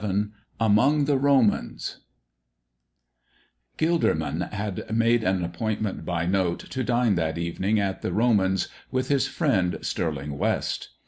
VII AMONG THE ROMANS GILDERMAN had made an appointment by note to dine that evening at the "Romans" with his friend Stirling West.